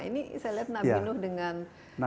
ini saya lihat nabi nuh dengan ini ya